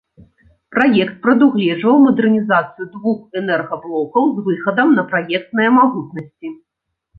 Праект прадугледжваў мадэрнізацыю двух энергаблокаў з выхадам на праектныя магутнасці.